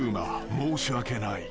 申し訳ない］